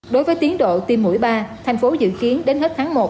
đối với tiến độ tiêm mũi ba thành phố dự kiến đến hết tháng một